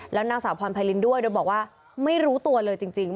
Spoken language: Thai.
แล้วนางสาวพรไพรินด้วยโดยบอกว่าไม่รู้ตัวเลยจริง